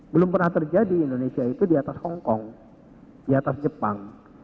belum pernah terjadi indonesia itu di atas hongkong di atas jepang